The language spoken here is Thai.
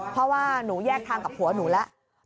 เพราะว่าหนูแยกทางกับผัวหนูแล้ว